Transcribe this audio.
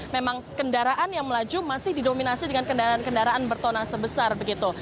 memang kendaraan yang melaju masih didominasi dengan kendaraan kendaraan bertona sebesar begitu